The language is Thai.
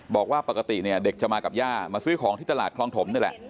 บอกว่าปกติเนี่ยเด็กจะมากับย่ามาซื้อของที่ตลาดคลองถมนี่แหละ